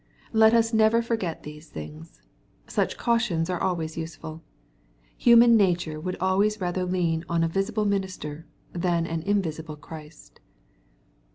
Let us never forget these things. Such cautions are always useful. Human nature would always rather lean on a visible minister, than an invisible Christ.